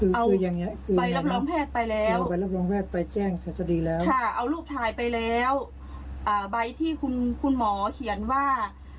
เอาใบรับรองแพทย์ไปแล้วคืออย่างนี้เอาใบรับรองแพทย์ไปแล้ว